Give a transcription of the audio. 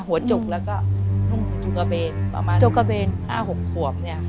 หัวจุกแล้วก็จุกกระเบนประมาณจุกกระเบนห้าหกขวบเนี้ย